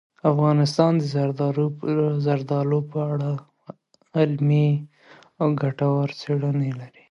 افغانستان د زردالو په اړه علمي او ګټورې څېړنې لري.